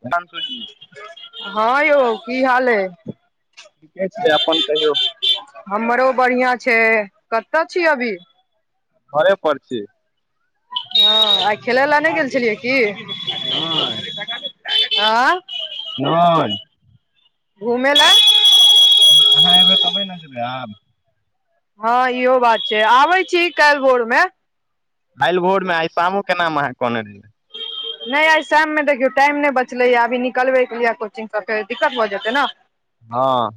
प्रणाम ससू जी हँ यौ की हाल हइ? ठीके छैय अपन कहियौ। हमरो बढ़िया छैय कतऽ छीयै अभी? घरे पड़ छी। हँ आ खेलै लए नहि गेल छलियै की? नहि। आँ? नहि घुमय लए? अहाँ एबै तबे ने जेबै आब। हँ इहो बात छैय आबे छी काल्हि भोर मे। कायल भोरमे आइ शामो केनााम अहाँ कहने रहियै। नहि आइ शाममे देखियौ टाइम नहि बचलैया अभी निकलबे के लिए कोचिङंग सब फेर दिक्कत भऽ जेतै ने। हँ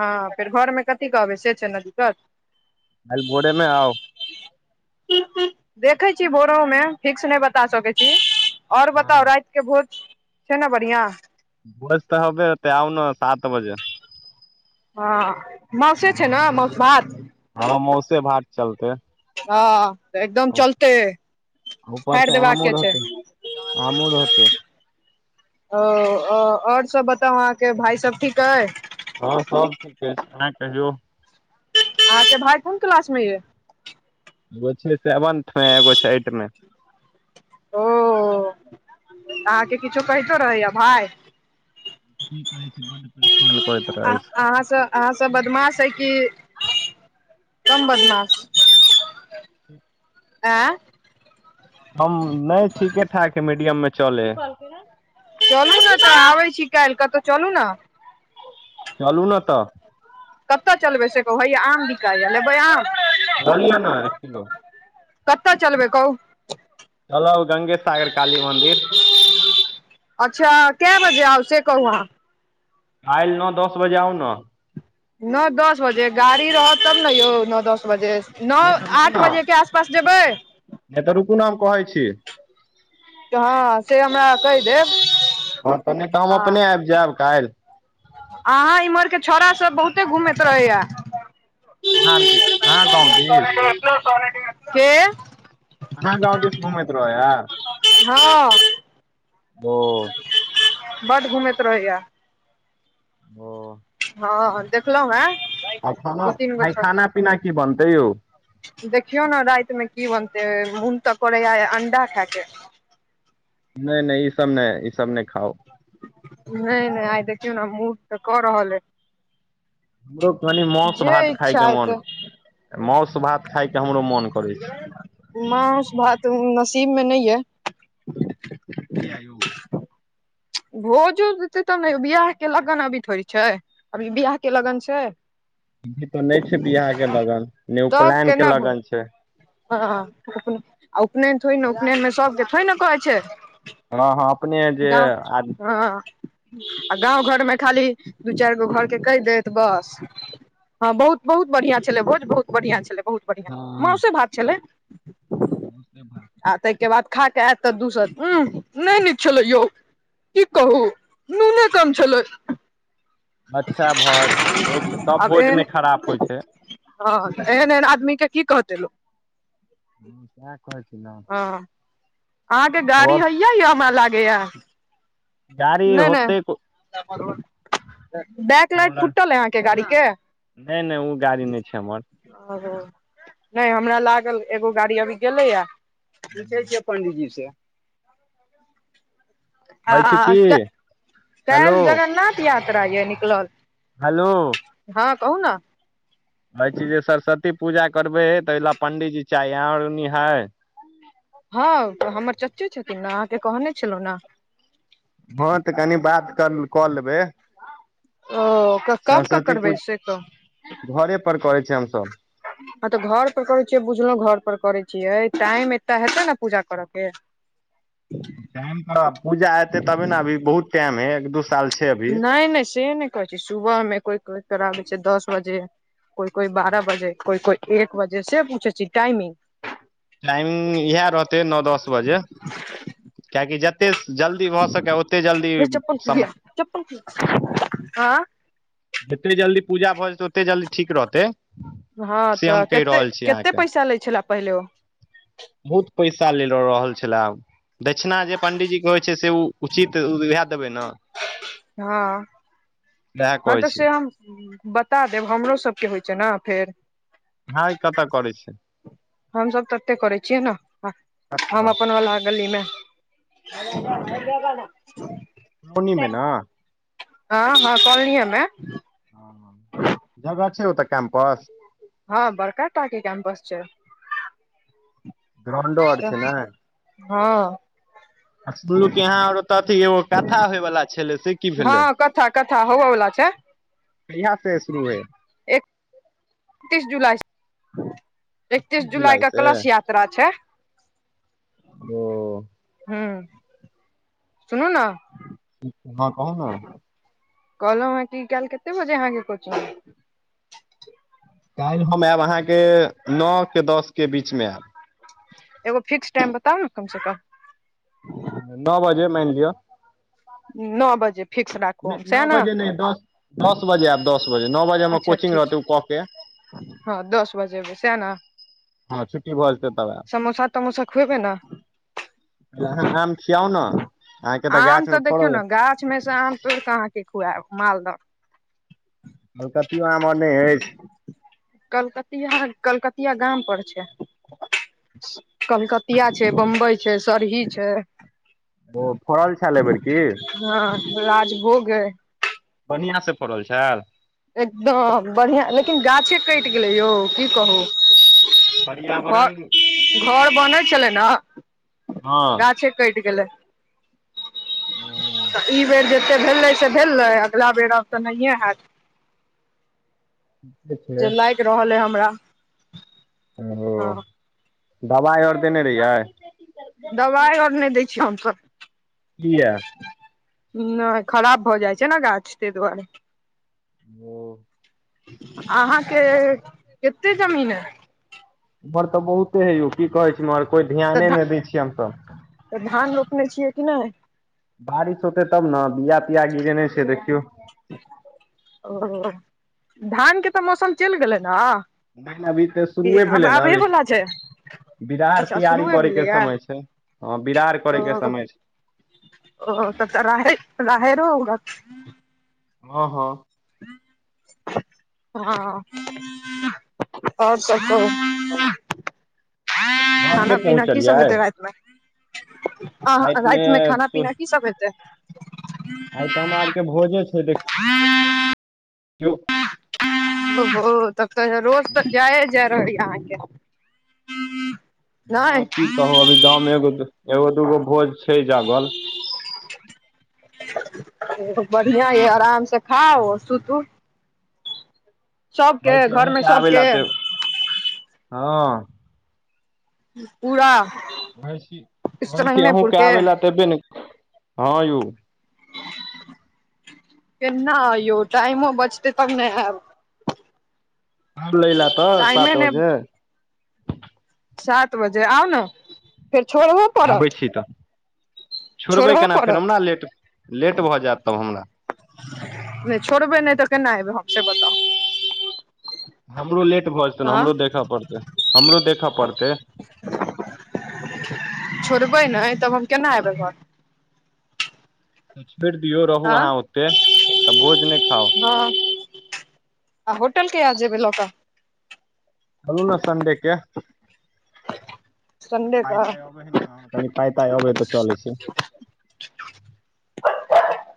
हँ फेर घरमे कथी कह कहबै से छैय न दिक्कत। कायल भोेरेमे आउ। देखै छी भोरमे फिक्स नहि बता सकै छी। आओर हँ बताउ रात के भोज छैय ने बढ़ियां? बस तऽ ह तऽ आउ ने सात बजे। हँ मासे छैय ने मऊसु भात? हँ मौसे भात चलतेै। हँ तऽ एकदम चलते फाड़ि देबा के छै आमु रहतै ओ अ आओर सब बताउ अहाँके भाई सब ठीक अइ हँ सब ठीक अईछ आहाँ कहियो आहाँ के भाइ कोन क्लास मे यै गो छै सेवन्थ मे एगो छै एट मे ओ अहाँके किछो कहीतो रहैया भाय कि कहै छै बडै करै अ अहाँसँ अहाँ स बदमाश अई की कम बदमाश ऐ ह्म [unintelligible] आँ हम नै ठीके ठाक है मीडियम मे चलै है चलू न तऽ आबै छी काल्हि कतौ चलू न चालू न तऽ कतऽ चलबै से कहूँ हैया आम बिकाईया लेबै आम ललीय न एक किलो कतऽ चलबै कहू चलब गंगे सागर काली मन्दिर अच्छा कए बजे आउ से कहु आहां फाईल न दस बजे आउ न न दस बजे गाड़ी रहत तब न यौ न दस बजे न नहि तऽ रुकू आठ ने बजे के आ पास जेबै नहि तऽ रुकु नाम कहै छी हँ से हमरा कहि देब हँ तने तऽ हम हँ अपने आबि जायब काल्हि अहाँ इम्हर के छौड़ा सब बहुते घूमैत रहैया अहाँ आरके अहाँ गौ दीस के [inaudible] आहँ गाँव दिस घुमैत रहै या हँ [unintelligible] बड घूमैत रहैया ह [inaudible] हँ देखल है दू तीन आइ गछ खाना पीना की बनतै यौ देखियौ ने रातिमे की बनतै मून तऽ करैया अंडा खायके नहि नहि ई सब नहि ई सब नहि खाउ नहि नहि आइ देखियौ ने मुड तऽ कर रहलै हमरो कनि मौसु जे भात खायके इच्छा मोन हेतै मौस भात खायके हमरो मोन करै छै मौस भात नसीब में नइया। किया यौ। भोज उ देतै तब ने बियाह के लगन अभी थोड़ी छै अभी बियाह के लगन छै इ तऽ नहि छै बियाह के लगन ने तब उपलायन के केना भो लगन छै हँ [unintelligible] उपनयन थोड़ी ने उपनयन मे सबके थोड़े न कहै छै हऽ हऽ अपने जे गाँव आदमी [inaudible] ह [unintelligible] गाँव घरमे खाली दू चाइर गो घर केँ कहि देत बस हँ बहुत बहुत बढ़िआँ छलै भोज बहुत बढ़िआँ छलै बहुत बढ़िआँ माँसे भात छलै माँसे भात आ तै केँ बाद खा केँ ऐत तऽ दुसत उऽ नै नीक। छलो [inaudible] यौ की कहू नूने कम छलै अच्छा भैज होइ छै सब भोज नै खराप होइ छै हऽ एहन एहन आदमी कऽ की कहतै लोक हँ सेह कहै छै न हऽ [inaudible] अहाँकेँ गाड़ी हैय यऽ हमरा लागे यऽ गाड़ी नै नै होते कोनो [unintelligible] बैक लाइट लग फुटल है अहाँकेँ गाड़ी केँ [inaudible] नहि नहि ओ गाड़ी नहि छै हमर आरो नै हमरा लागल एगो गाड़ी अभी गेलैय पुछैय छिय पंडितजी से यैछ की हेलो काइल जगन्नाथ यात्रा यऽ निकलल हेलो हँ कहू न कहै छीज जे सरस्वती पूजा करबै तै लऽ पण्डीजी चाही अहाँ आर उनी है हँ हमर चाचे छथिन न अहाँकेँ कहने छलै न हँ तऽ कनि बात कर कऽ लेबै ओ कऽ कब कऽ सरस्वती करबै पूजा सेकहुँ घरे पर करै छिय हम सभ [unintelligible] हँ तऽ घर पर करै छियै बुझलौ घर पर करै छियै टाइम एत हेतै न पूजा करकेँ [unintelligible] केहेन करब पूजा एते तबे न अभी बहुत टाइम है एक दोस नै नै से नै कहै छै सुबह में कोइ कोइ कराबै छै दस बजे कोइ कोइ बारह बजे कोइ कोइ एक बजे से पूछै छी टाइमिंग टाइमिंग इहै रहतै नओ दस बजे [inaudible] कियाकि जते जल्दी भऽ सकै ओ [unintelligible] जते जल्दी पूजा भऽ जेतै ओते जल्दी ठीक रहतै हँ से तऽ हम कहि केत्ते रहल छी केत्ते अहाँके पैसा लै छैला पहिले ओ बहुत पैसा लेले रहल छलै दक्षिणा जे पण्डीजी केँ होइ छै से ओ उचित उहे देबै न हँ उएह हँ कहै तऽ छी से हम [inaudible] बता देब हमरो सब केँ होइ छै न फेर अहाँ ई कत करै छै हम सभ तऽ तै करै छियै न कतऽ [inaudible] हम अपन वाला गली में [unintelligible] [unintelligible] हँ हँ कॉलनिये में [inaudible] जगह छै ओ तऽ कैम्पस हँ बड़का टा केँ कैम्पस छै गरैंडो अर छै नय हँ आ सुनलू कि यहाँ आर अतो से एगो कथा होय वला छलै से की हँ भेलै कथा कथा होबअ वला छै कहिया से शुरू है एकतीस जुलाई सँ एकतीस जुलाइ जुलाई क से क्लश या त्रा छै ओ हुँ सुनू नऽ हँ कहू नऽ कहलो हँ की काईल कते बजे अहाँकेँ कोचिंग यऽ काइल हम ऐब अहाँकेँ नो केँ दस केँ बीच मे ऐब एगो फिक्स टाइम बताउ नऽ कम सँ कम नो बजे माइन लिअ नो बजे फिक्स राखू सेह नऽ नय दस दस बजे ऐब दस बजे नो बजे हमर अच्छा कोचिंग ठीक रहते उ कऽ केँ हँ दस बजे एबै सएह ने हँ छुट्टी भऽ जते तब ऐब समोशा खुएबे नऽ पहिले अहाँ आम खियाउ नऽ अहाँकेँ तऽ आम गाछ मे देखियौ ने फड़ल ए गाछ मे सँ आम तोइड़ कऽ अहाँकेँ खुएब मालदह कलकतियो आम अर नय हैय कलकतिया कलकतिया गाम पर छै कलकतिया छै बम्बई छै सरही छै ओ फड़ल घैल अय बेर की हँ राजभोग ऐय बढ़िआँ सँ फड़ल छैल एकदम बढ़िआ लेकिन गाछे कैट गेलै यौ की कहू घर पर्यावरण घर बनेइ छलै नऽ हँ गाछे कइट गेलै हुँ तऽ ई बेर जते भेलै से भेलै अगिला बेर आब तऽ नहिए हैत [inaudible] जे लाइल रहल अइ हमरा ओ हँ दबाइ अर देने रहियै दबाइ अर नय दै छी हम सब किया नय खराब भऽ जाइ छै नऽ गाछ तैय दुआरे हुँ अहाँकेँ कते जमीन ऐ हमर तऽ बहुते हे यौ की कहै छी मगर कोइ तऽ धयाने धा नै दै छियै हमसभ तऽ धान रोपने छियै कि नहि? बारिश होतै तब ना बिया तिया गिरेने छीये देखियौ। ओ धानके तऽ मौसम चलि गेलै ने? नै नै अभी तऽ कि शुरूए आब भेलै ना आबहे अभी। वला छै बिरार अच्छा तैयारी शुरुए करे के भेलैया समय छैय हँ बिरार ओ करे के समय छैय। ओ त तऽ राहैर राहैरो उगत। हँ हँ [inaudible] हँ और सब कहु? घर नहि खाना पीना की सब पहुँचलियै हेतेइ राएत? आहां राति मे रातिमे खाना पीना आइ की सब हेतै? तऽ हमरा आरके भोजे [inaudible] यौ ओहो तब तऽ रोज तऽ जय ये जय रहै ये अहाँ के। हँ की कहू अभी गाव मे एगो दूगो भोज छैय जागल। हेयौ बढ़िया ये आराम से खाउ और सुतू। कहै सबके छी घर मे अहुके आबै लए सबके से हँ। पूरा कहै छी स्त्रंगनेपुर अहुके के आबै लए से एबै नै, हँ यौ। केना आऊ यौ टाइमो बचतै तब ने आयब। आऊ लै ल तऽ सात टाइमे ने बजे? सात बजे आउ ने फेर छोड़हो आबै पड़त छी तऽ छोड़बै छोड़हो केना फेर पड़त हमरा लेट लेट भऽ जायत तब हमरा। नै छोड़बै नै तऽ केना एबै हम से बताउ? हमरो लेट भऽ जेतै ने हमरो हँ देखऽ पड़तै हमरो देखऽ पड़तै। छोड़बै नहि तब हम केना एबै घर? छोड़ि दियौ रहु आँ अहाँ ओते तऽ भोज नहि खाउ। हँ आ होटल कहिया जेबै लऽ कऽ? चलू ने संडे के संडे पाय कऽ ताई कनि पाइ ताइ अबै है तऽ चलै छी। [inaudible]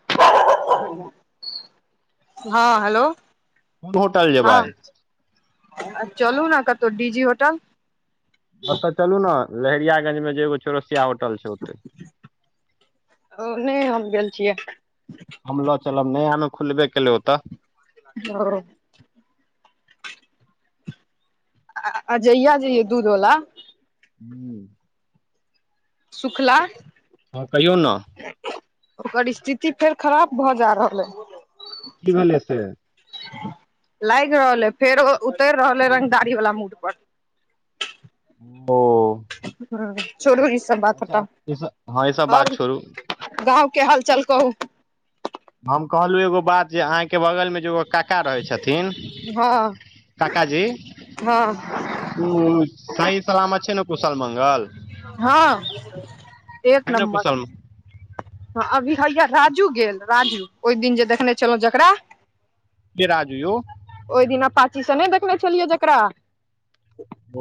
हँ हेलो कोन होटल जेबै हँ। आ चलू ने कतहु डीजी होटल? ओतऽ चलु ने लहेरियाागंज मे जे एगो चौरसिया होटल छैय। ओ नहि हम गेल छियै। हम लऽ चलब नयामे खुलबे केलै ओतऽ। ओ अजइया जे अइ दूध वला [inaudible] सुखला हँ कहियौ न। ओकर स्थिति फेर खराब भऽ जा रहल अइ। कि भेलै से? लागि रहल ऐ फेरो उतरि रहल ऐ रंगदारी वला मूड पर। ओ ह छोरू ई सब बात अच्छा हटाउ [unintelligible] हँ ई सब बात आओर छोड़ू। गाँव के हाल चाल कहू। हम कहलहुँ एगो बात जे अहाँके बगलमे जे एगो काकि काका रहै छथिन हँ काकाजी हँ ओ सही सलामत छैय न? कुशल मङ्गल हँ एक है ने नमबर कुशल ह अभी हैया राजू गेल राजू ओहि दिन जे देखने छलहुँ जकरा। के राजू यौ? ओहि दिना अपाचीसँ नहि देखने छलियै जकरा।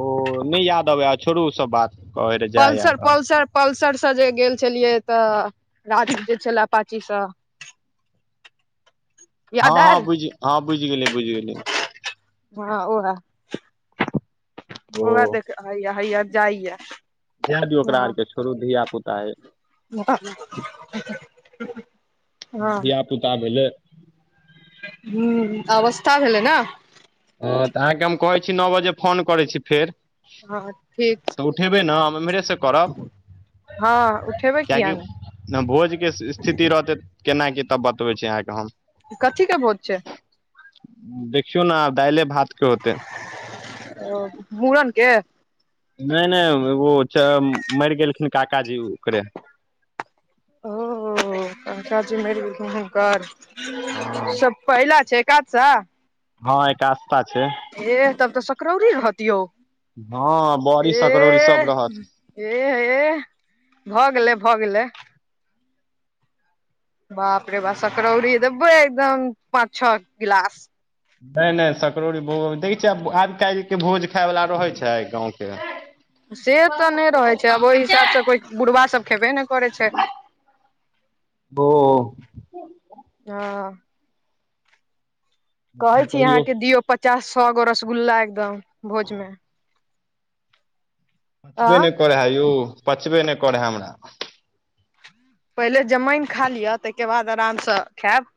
ओ नहि याद अबै आ छोड़ू उ सब बात। कहै रहे जाय पलसर यार पलसर पल्सरसँ जे गेल छलियै तऽ राजू जे छल अपाचीसँ। हँ याद हँ आयल बुझि हँ बुझि गेलैयै बुझि गेलियै। हँ ओहै। ओ ओहे देखि हइया हइया जाय यऽ। जै दियऔ ओकरा आर के छोड़ू धिया पुता अय। [inaudible] हँ धियापुता भेलै। हं अवस्था भेलै नऽ। हं तऽ अहाँकेँ हम कहैत छी नओ बजे फोन करैत छी फेर। हँ हँ ठीक छैय। तऽ उठेबै न हम एम्हरे से करब, हँ उठेबै किया कियकि ने भोज के स्थिति रहतै केना कि तब बतबै छी अहाँके हम। कथी के भोज छैय? देखियौ न दाइले भात के होतै। ओ मुड़न के? नहि नहि [unintelligible] मरि गेलखिन काका जी ओकरे। ओ हो काकाजी मैर घेल्खिन हुनकर। पहिला छैय एकादशा? हँ एकादशा। सा छैय। एह तब तऽ सकरौरी रहत यौ। हँ बड़ी सकरौरी एह सब रहत। एह एह भऽ गेलै भऽ गेलै। बाप रे बाप सकरौरी देबै एकदम पाँच छओ ग्लास। नहि नहि सकरड़ौड़री भोग देखै छियै आब काल्हिके भोज खाायवला रहै छैय कहूंके। से तऽ नहि रहै छैय आब ओहि हिसाबसँ कोइ बुढ़बा सभ खेबे ने करै छैय। ओ हँ कहै छी अहाँके दियौ पचास सौ गो रसगुल्ला एकदम भोजमे पचबे आ नय करै है यौ पचबे नय करै है हमरा पहिले जमईन खा लिअ ताहिके बाद आरामसँ खेयब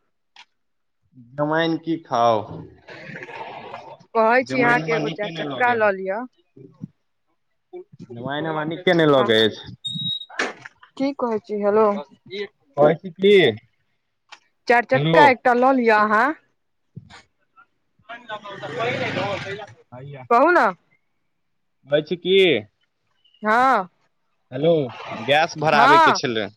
जमइन की खाउ कहै छी जमइन अहाँके हमरा एगो निके चारि नय चक्का लऽ लिअ लगैहय जमाइन हमरा नीके नय आ लगैत ऐछ की कहै छी हेलो कहै छी की चार हेलो चक्का ए टा ल लिअ अहाँ हइया कहून हो छै की हँ हेलो गैस भरा बैके हँ छलै